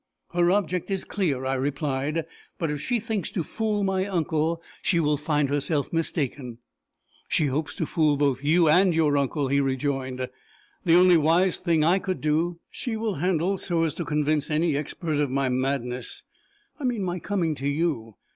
"Her object is clear," I replied. "But if she thinks to fool my uncle, she will find herself mistaken!" "She hopes to fool both you and your uncle," he rejoined. "The only wise thing I could do, she will handle so as to convince any expert of my madness I mean, my coming to you!